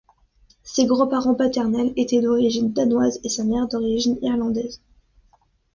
Ses grands-parents paternels étaient d'origine danoise et sa mère d'origine irlandaise.